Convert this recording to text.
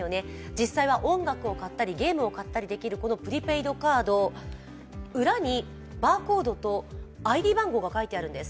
実際は音楽を買ったり、ゲームを買ったりできるプリペイドカード、裏にバーコードとＩＤ番号が書いてあるんです。